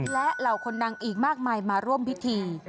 และเหล่าคนดังอีกมากมายมาร่วมพิธี